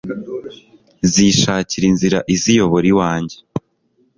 zishakira inzira iziyobora iwanjye